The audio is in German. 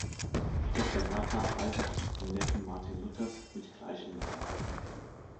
Die Tochter Martha heiratete den Neffen Martin Luthers mit gleichen Namen.